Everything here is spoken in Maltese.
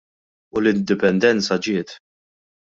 U l-Indipendenza ġiet.